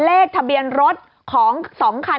เลขทะเบียนรถของ๒คัน